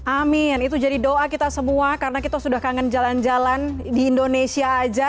amin itu jadi doa kita semua karena kita sudah kangen jalan jalan di indonesia aja